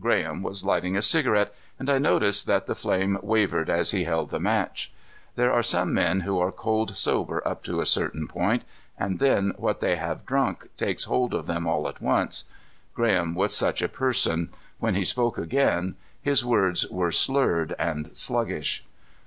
Graham was lighting a cigarette, and I noticed that the flame wavered as he held the match. There are some men who are cold sober up to a certain point, and then what they have drunk takes hold of them all at once. Graham was such a person. When he spoke again his words were slurred and sluggish.